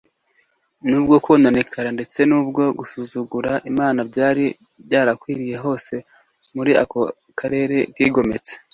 Nubwo kononekara ndetse no gusuzugura Imana byari byarakwiriye hose muri ako karere kigometse,